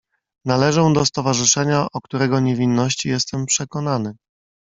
"Należę do stowarzyszenia, o którego niewinności jestem przekonany."